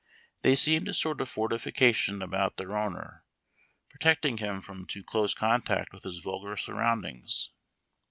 They seemed a sort of fortification about their owner, protecting him from too close contact with his vulgar surroundings.